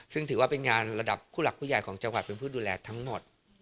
ซึ่งถือว่าเป็นงานระดับผู้หลักผู้ใหญ่ของจังหวัดเป็นผู้ดูแลทั้งหมด